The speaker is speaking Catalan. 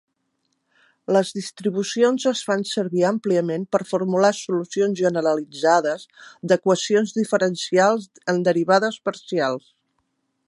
Les distribucions es fan servir àmpliament per formular solucions generalitzades d'equacions diferencials en derivades parcials.